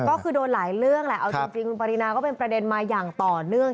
ก็คือโดนหลายเรื่องแหละเอาจริงคุณปรินาก็เป็นประเด็นมาอย่างต่อเนื่อง